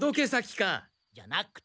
じゃなくて。